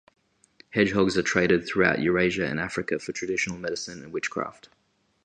Hedgehogs are traded throughout Eurasia and Africa for traditional medicine and witchcraft.